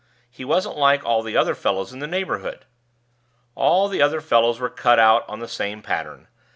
He wasn't like all the other fellows in the neighborhood. All the other fellows were cut out on the same pattern.